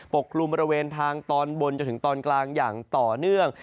กลุ่มบริเวณทางตอนบนจนถึงตอนกลางอย่างต่อเนื่อง